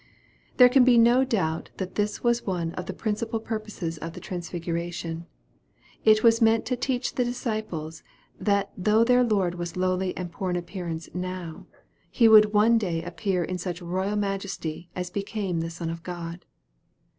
There can be no doubt that this was one of the prin cipal purposes of the transfiguration. It was meant to teach the disciples, that though their Lord was lowly and poor in appearance now, He would one day appear in such royal majesty as became the Son of God.